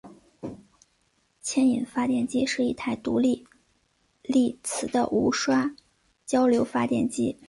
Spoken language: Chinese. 牵引发电机是一台独立励磁的无刷交流发电机。